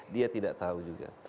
dia tidak tahu juga